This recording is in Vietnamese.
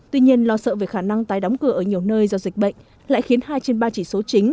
tuy nhiên lo sợ về khả năng tái đóng cửa ở nhiều nơi do dịch bệnh lại khiến hai trên ba chỉ số chính